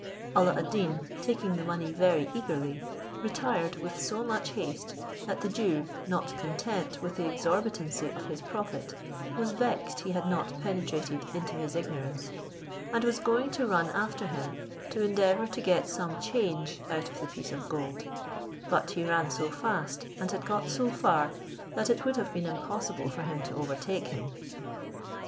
Alla ad Deen, taking the money very eagerly, retired with so much haste, that the Jew, not content with the exorbitancy of his profit, was vexed he had not penetrated into his ignorance, and was going to run after him, to endeavour to get some change out of the piece of gold; but he ran so fast, and had got so far, that it would have been impossible for him to overtake him.